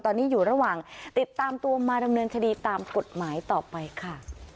ตอนนี้อยู่ระหว่างติดตามตัวมาดำเนินคดีตามกฎหมายต่อไปค่ะ